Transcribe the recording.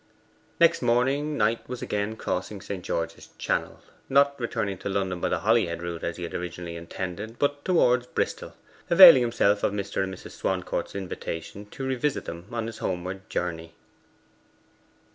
Next morning Knight was again crossing St. George's Channel not returning to London by the Holyhead route as he had originally intended, but towards Bristol availing himself of Mr. and Mrs. Swancourt's invitation to revisit them on his homeward journey.